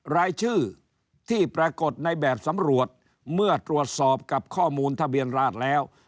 รายชื่อที่ปรากฏในแบบสำรวจเมื่อตรวจสอบกับข้อมูลทะเบียนราชแล้ว